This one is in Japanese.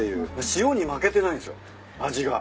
塩に負けてないんすよ味が。